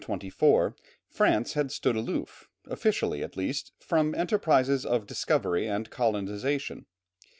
From 1492 to 1524, France had stood aloof, officially at least, from enterprises of discovery and colonization.